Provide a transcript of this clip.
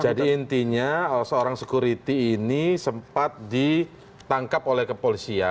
jadi intinya seorang sekuriti ini sempat ditangkap oleh kepolisian